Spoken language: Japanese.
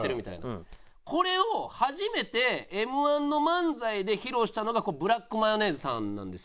これを初めてＭ−１の漫才で披露したのがブラックマヨネーズさんなんですよ。